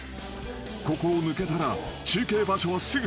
［ここを抜けたら中継場所はすぐ］